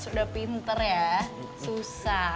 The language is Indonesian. udah pinter ya susah